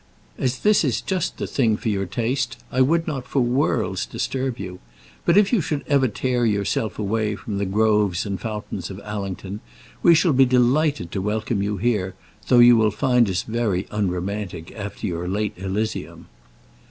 As this is just the thing for your taste, I would not for worlds disturb you; but if you should ever tear yourself away from the groves and fountains of Allington, we shall be delighted to welcome you here, though you will find us very unromantic after your late Elysium.